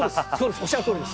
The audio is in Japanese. おっしゃるとおりです。